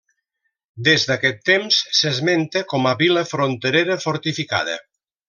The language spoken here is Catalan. Des d'aquest temps s'esmente com a vila fronterera fortificada.